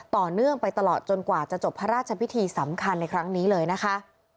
ต่อเนื่องไปตลอดจนกว่าจะจบพระราชพิธีสำคัญในครั้งนี้เลยนะคะ